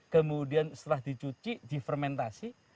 kemudian setelah dicuci di fermentasi